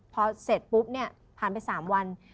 พอเสร็จปุ๊บเนี่ยผ่านไป๓วัน